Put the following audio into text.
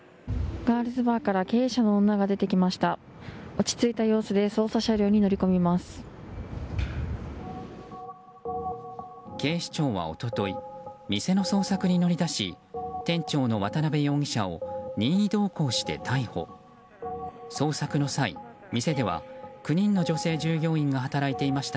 ガールズバーから経営者の女がビルから出てきました。